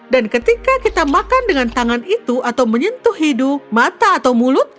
dan ketika kita makan dengan tangan itu atau menyentuh hidu mata atau mulut